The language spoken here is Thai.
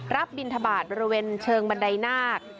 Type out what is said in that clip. บินทบาทบริเวณเชิงบันไดนาค